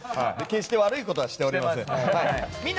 決して悪いことはしておりません。